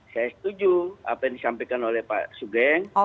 saya setuju apa yang disampaikan oleh pak sugeng